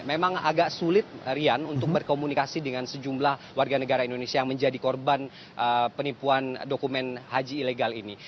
memang agak sulit rian untuk berkomunikasi dengan sejumlah warga negara indonesia yang menjadi korban penipuan dokumen haji ilegal ini